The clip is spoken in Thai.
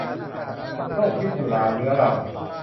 โรคพิษสุราเรื้อรัง